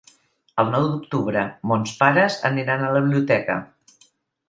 El nou d'octubre mons pares aniran a la biblioteca.